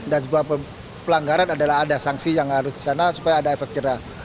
dan pelanggaran adalah ada sanksi yang harus di sana supaya ada efek jerah